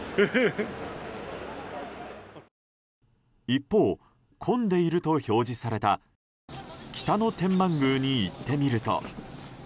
一方、混んでいると表示された北野天満宮に行ってみると。